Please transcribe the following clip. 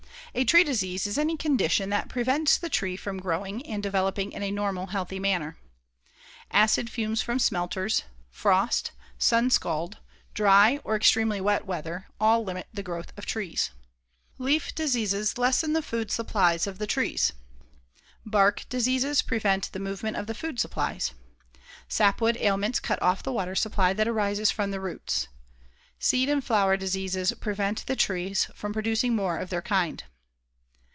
A tree disease is any condition that prevents the tree from growing and developing in a normal, healthy manner. Acid fumes from smelters, frost, sunscald, dry or extremely wet weather, all limit the growth of trees. Leaf diseases lessen the food supplies of the trees. Bark diseases prevent the movement of the food supplies. Sapwood ailments cut off the water supply that rises from the roots. Seed and flower diseases prevent the trees from producing more of their kind.